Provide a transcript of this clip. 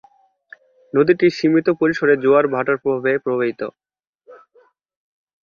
নদীটি সীমিত পরিসরে জোয়ার ভাটার প্রভাবে প্রভাবিত।